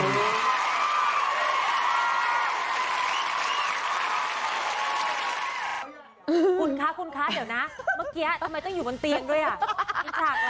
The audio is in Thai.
คุณคะคุณคะเดี๋ยวนะเมื่อกี้ทำไมต้องอยู่บนเตียงด้วยอ่ะ